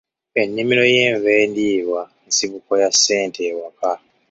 Ennimiro y'enva endiirwa nsibuko ya ssente ewaka.